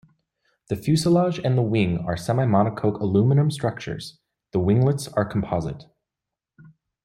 The fuselage and the wing are semi-monocoque aluminum structures, the winglets are composite.